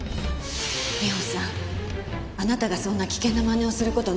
美穂さんあなたがそんな危険なまねをする事ないわ。